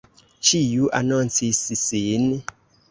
Ĉiu anoncis sin.